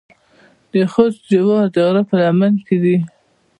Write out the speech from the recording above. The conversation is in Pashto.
د خوست جوار د غره په لمن کې دي.